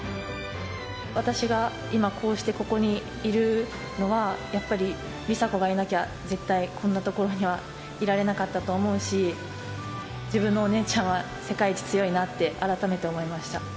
私が今、こうしてここにいるのは、やっぱり梨紗子がいなきゃ、絶対こんな所にはいられなかったと思うし、自分のお姉ちゃんは世界一強いなって、改めて思いました。